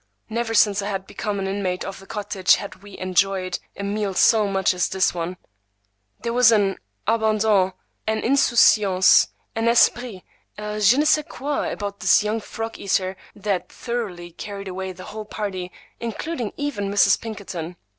Never since I had become an inmate of the cottage had we enjoyed a meal so much as that one. There was an abandon, an insouciance, an esprit, a je ne sais quoi about this young frog eater that thoroughly carried away the whole party, including even Mrs. Pinkerton.